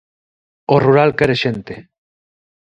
O rural quere xente.